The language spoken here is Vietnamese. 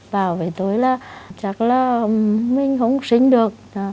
bảo với tôi là chắc là mình không sinh được